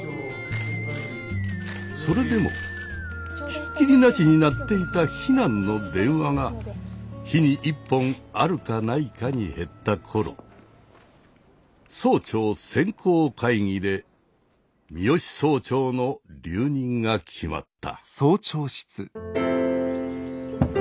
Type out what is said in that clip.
それでもひっきりなしに鳴っていた非難の電話が日に１本あるかないかに減った頃総長選考会議で三芳総長の留任が決まった。